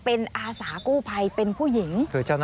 เป็นอาสากู้ภัยเป็นผู้หญิง